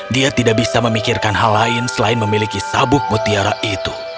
dia tidak bisa memikirkan hal lain selain memiliki sabuk mutiara itu